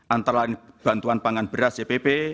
antara lain bantuan pangan beras cpp